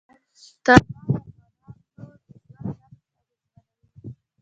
تنوع د افغانانو د ژوند طرز اغېزمنوي.